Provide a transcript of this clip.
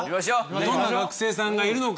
どんな学生さんがいるのか。